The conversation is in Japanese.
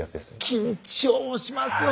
緊張しますよ